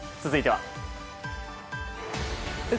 続いては。